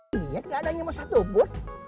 gak adanya masalah tuh bu